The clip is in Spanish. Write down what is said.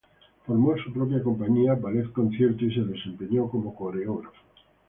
Formó su propia compañía, Ballet Concierto, y se desempeñó como coreógrafo.